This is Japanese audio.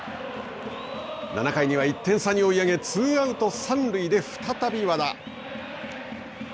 ７回には１点差に追い上げツーアウト、三塁で再び和田。